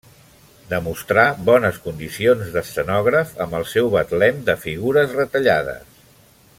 Demostrà bones condicions d'escenògraf amb el seu betlem de figures retallades.